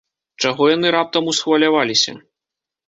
Чаго яны раптам усхваляваліся?